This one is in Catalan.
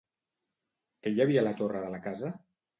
Què hi havia a la torre de la casa?